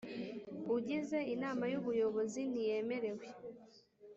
Ugize Inama y Ubuyobozi ntiyemerewe